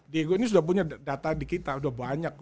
diego ini sudah punya data di kita sudah banyak